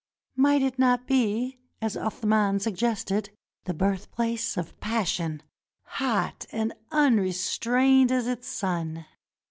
Might it not be, as Athman sug gested, the birthplace of passion hot and unrestrained as its sun?